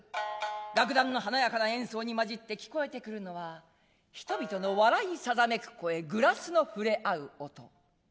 楽団の華やかな演奏に混じって聞こえてくるのは人々の笑いさざめく声グラスの触れ合う音。